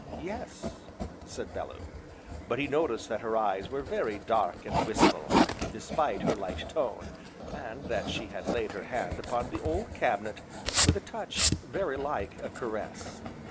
"Yes," said Bellew. But he noticed that her eyes were very dark and wistful, despite her light tone, and that she had laid her hand upon the old cabinet with a touch very like a caress.